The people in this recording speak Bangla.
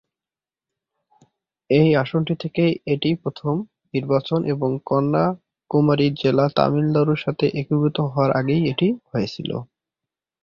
এই আসনটি থেকে এটিই প্রথম নির্বাচন এবং কন্যাকুমারী জেলা তামিলনাড়ুর সাথে একীভূত হওয়ার আগেই এটি হয়েছিল।